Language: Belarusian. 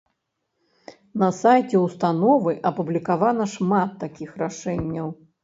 На сайце ўстановы апублікавана шмат такіх рашэнняў.